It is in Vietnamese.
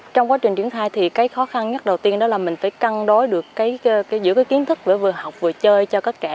trong quá trình triển khai thì cái khó khăn nhất đầu tiên đó là mình phải cân đối được giữ cái kiến thức để vừa học vừa chơi cho các trẻ